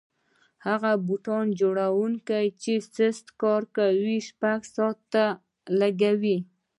هغه بوټ جوړونکی چې سست کار کوي شپږ ساعته لګوي.